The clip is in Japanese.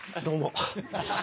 どうも。